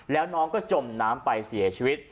แล้วน้องก็จมน้ำไปเสียชีวิต